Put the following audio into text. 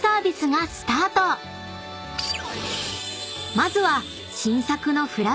［まずは］